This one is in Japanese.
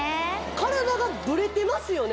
体がぶれてますよね